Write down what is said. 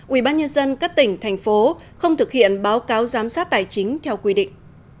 ubnd các tỉnh thành phố không thực hiện báo cáo giám sát tài chính theo quy định